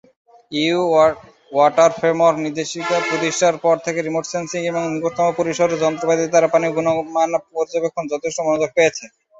EU water framework নির্দেশিকা প্রতিষ্ঠার পর থেকে রিমোট সেন্সিং এবং নিকটতম পরিসরের যন্ত্রপাতি দ্বারা পানির গুণমান পর্যবেক্ষণ যথেষ্ট মনোযোগ পেয়েছে।